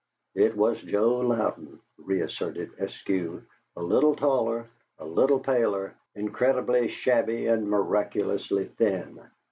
It was Joseph Louden, reasserted Eskew, a little taller, a little paler, incredibly shabby and miraculously thin.